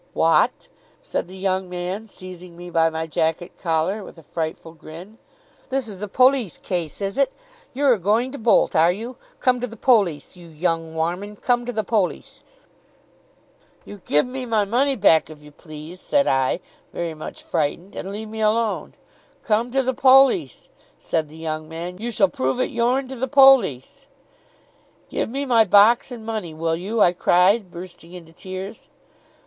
'Wot!' said the young man, seizing me by my jacket collar, with a frightful grin. 'This is a pollis case, is it? You're a going to bolt, are you? Come to the pollis, you young warmin, come to the pollis!' 'You give me my money back, if you please,' said I, very much frightened; 'and leave me alone.' 'Come to the pollis!' said the young man. 'You shall prove it yourn to the pollis.' 'Give me my box and money, will you,' I cried, bursting into tears.